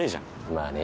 まあね。